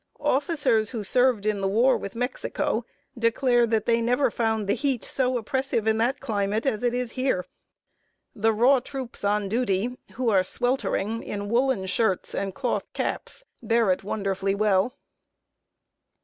Officers who served in the War with Mexico declare they never found the heat so oppressive in that climate as it is here. The raw troops on duty, who are sweltering in woolen shirts and cloth caps, bear it wonderfully well.